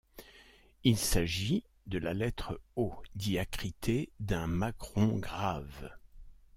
Il s'agit de la lettre O diacritée d'un macron-grave.